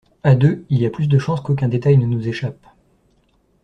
À deux, il y a plus de chances qu’aucun détail ne nous échappe.